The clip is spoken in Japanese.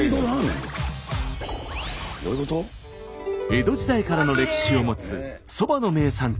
江戸時代からの歴史を持つそばの名産地